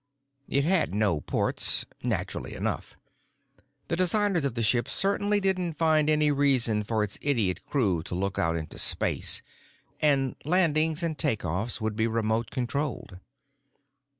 It had no ports—naturally enough; the designers of the ship certainly didn't find any reason for its idiot crew to look out into space, and landings and takeoffs would be remote controlled.